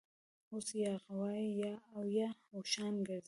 اوس یا غوایي اویا اوښان ګرځي